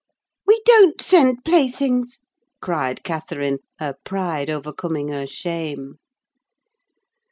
"We don't send playthings," cried Catherine, her pride overcoming her shame.